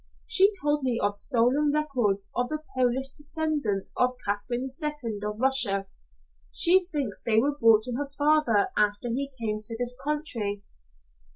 She told me of stolen records of a Polish descendant of Catherine II of Russia. She thinks they were brought to her father after he came to this country."